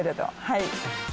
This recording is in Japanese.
はい。